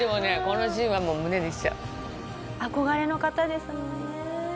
憧れの方ですもんね。